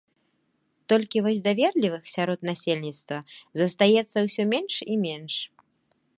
Толькі вось даверлівых сярод насельніцтва застаецца ўсё менш і менш.